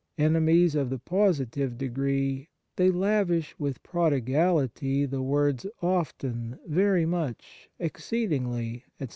Enemies of the positive degree, they lavish with prodigality the words often, very much, exceedingly, etc.